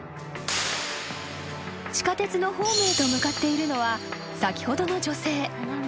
［地下鉄のホームへと向かっているのは先ほどの女性］